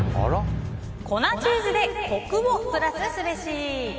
粉チーズでコクをプラスすべし。